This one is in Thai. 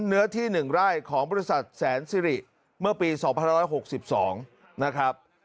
เนื้อที่๑ไร่ของบริษัทแสนสิริเมื่อปี๒๑๖๒นะครับ